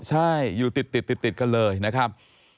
ใช่อยู่ติดกันเลยนะครับ